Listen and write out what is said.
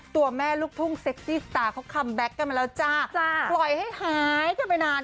ตัวแม่ลูกตรงสเซคซี่ส์ตาคมแบ็คกันมาแล้วจ้ะปล่อยให้หายกันไปนาน